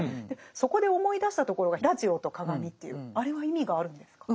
そこで思い出したところが「ラジオと鏡」というあれは意味があるんですか？